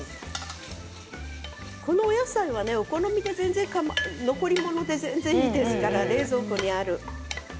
この野菜はね、お好みで残り物で全然いいですからね冷蔵庫にある。